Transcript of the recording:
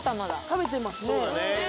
食べてますね。